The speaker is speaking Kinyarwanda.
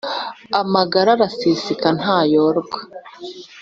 Amagara araseseka ntayorwa!